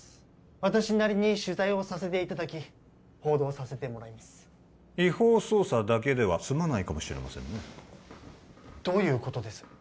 私なりに取材をさせていただき報道させてもらいます違法捜査だけではすまないかもしれませんねどういうことです？